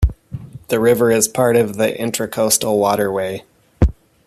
The river is part of the Intracoastal Waterway.